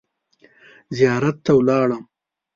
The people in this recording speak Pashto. زیارت ته ولاړم.